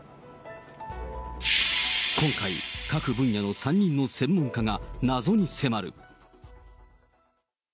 今回、各分野の３人の専門家が謎に迫る。